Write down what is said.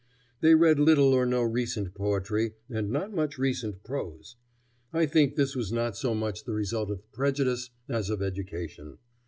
They read little or no recent poetry and not much recent prose. I think this was not so much the result of prejudice as of education.